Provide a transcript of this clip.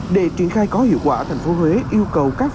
để triển khai có hiệu quả thành phố huế yêu cầu các